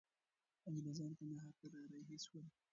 انګریزان کندهار ته را رهي سول.